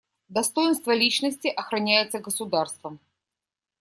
Достоинство личности охраняется государством.